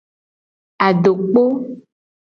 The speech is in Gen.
Adokpo.